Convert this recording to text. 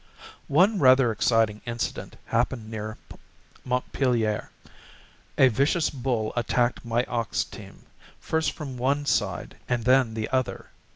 One rather exciting incident happened near Montpelier. A vicious bull attacked my ox team, first from one side and then the other.